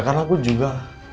karena aku juga